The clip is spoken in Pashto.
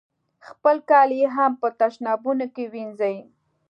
خپل کالي هم په تشنابونو کې وینځي.